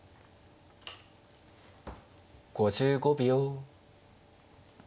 ５５秒。